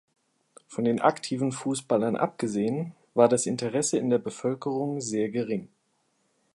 Von den aktiven Fußballern abgesehen, war das Interesse in der Bevölkerung sehr gering.